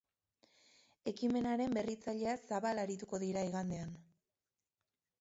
Ekimenaren berritzaileaz zabal arituko dira igandean.